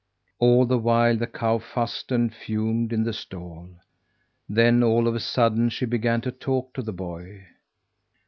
All the while the cow fussed and fumed in the stall. Then, all of a sudden, she began to talk to the boy.